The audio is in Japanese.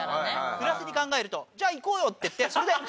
プラスに考えると「じゃあ行こうよ」って言って。